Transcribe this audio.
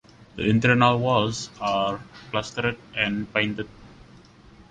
The internal walls are plastered and painted.